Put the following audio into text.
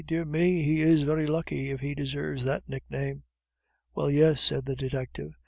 "Dear me, he is very lucky if he deserves that nickname." "Well, yes," said the detective.